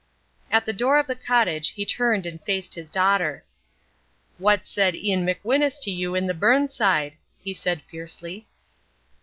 At the door of the cottage he turned and faced his daughter. "What said Ian McWhinus to you i' the burnside?" he said fiercely.